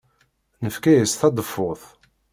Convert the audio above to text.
Nefka-as taḍeffut.